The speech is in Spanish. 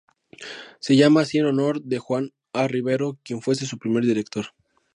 Se llama así en honor de Juan A. Rivero, quien fuese su primer director.